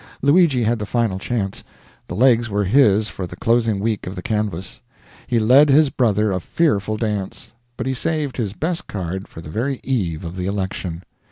Luigi had the final chance. The legs were his for the closing week of the canvass. He led his brother a fearful dance. But he saved his best card for the very eve of the election.